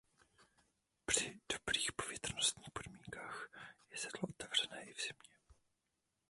Při dobrých povětrnostních podmínkách je sedlo otevřené i v zimě.